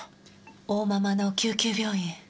大間々の救急病院。